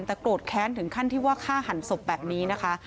แต่โกรธแค้นถึงขั้นที่ว่าฆ่าหันศพแบบนี้นะคะ